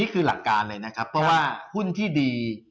คือหลักการเลยเพราะว่าหุ้นที่ดี